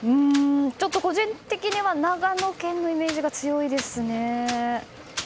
個人的には長野県のイメージが強いですね。